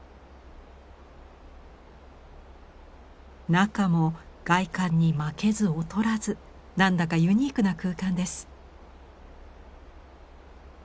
中も外観に負けず劣らず何だかユニークな空間です。